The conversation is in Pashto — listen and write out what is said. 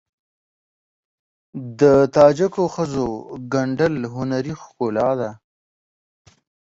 د تاجکو ښځو ګنډل هنري ښکلا ده.